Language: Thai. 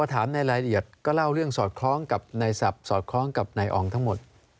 ถามในรายละเอียดก็เล่าเรื่องสอดคล้องกับนายศัพท์สอดคล้องกับนายอองทั้งหมด